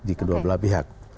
di kedua belah pihak